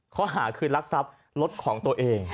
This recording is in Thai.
ข้อหาคือรักทรัพย์รถของตัวเอง